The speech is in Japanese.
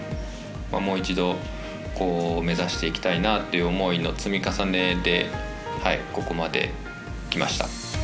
もう一度、目指していきたいなっていう思いの積み重ねで、ここまできました。